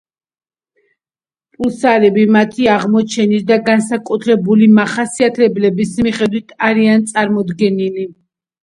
პულსარები მათი აღმოჩენის და განსაკუთრებული მახასიათებლების მიხედვით არიან წარმოდგენილი.